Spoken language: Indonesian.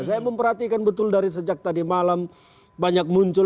saya memperhatikan betul dari sejak tadi malam banyak muncul